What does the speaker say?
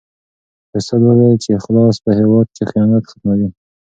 استاد وویل چې اخلاص په هېواد کې خیانت ختموي.